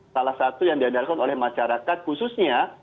salah satu yang diandalkan oleh masyarakat khususnya